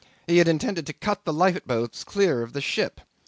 He had intended to cut the lifeboats clear of the ship.